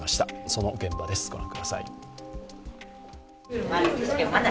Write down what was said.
その現場です、御覧ください。